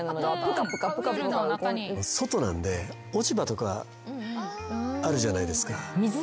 外なんで落ち葉とかあるじゃないですか。